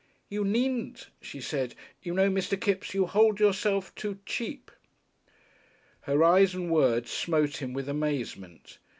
"You needn't," she said. "You know, Mr. Kipps, you hold yourself too cheap." Her eyes and words smote him with amazement.